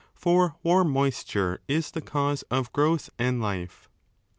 For warm moisture is the cause of growth 9 and life.